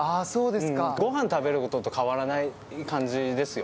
ごはん食べることと変わらない感じですよ。